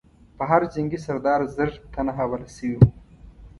پر هر جنګي سردار زر تنه حواله شوي وو.